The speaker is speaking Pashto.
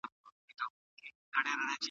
دا د روغتیا راز دی.